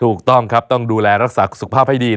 ถูกต้องครับต้องดูแลรักษาสุขภาพให้ดี